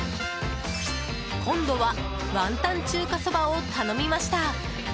今度は雲呑中華そばを頼みました。